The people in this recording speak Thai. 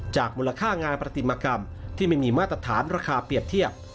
มูลค่างานปฏิมากรรมที่ไม่มีมาตรฐานราคาเปรียบเทียบ